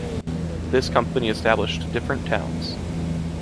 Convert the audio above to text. This company established different towns.